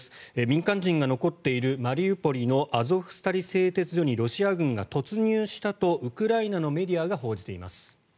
民間人が残っているマリウポリのアゾフスタリ製鉄所にロシア軍が突入したとウクライナのメディアが報じています。